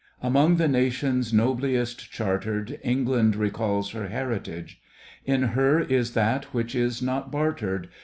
Among the nations nobliest chartered, England recalls her heritage. In her is that which is not bartered.